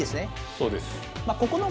そうです。